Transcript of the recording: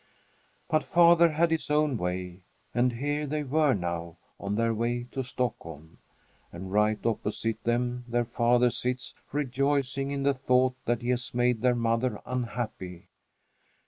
But father had his own way, and here they were now, on their way to Stockholm. And right opposite them their father sits, rejoicing in the thought that he has made their mother unhappy.